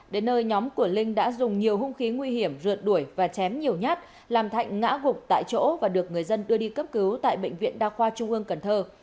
đến nơi nhóm của linh đã dùng nhiều hung khí nguy hiểm rượt đuổi và chém nhiều nhát làm thạnh ngã gục tại chỗ và được người dân đưa đi cấp cứu tại bệnh viện đa khoa trung ương cần thơ